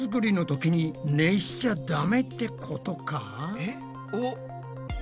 えっ？おっ。